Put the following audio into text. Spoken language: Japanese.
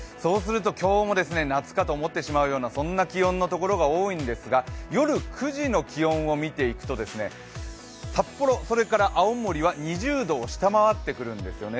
今日も夏かと思ってしまうようなそんな気温のところが多いんですが夜９時の気温をみていくと、札幌、青森は２０度を下回ってくるんですよね。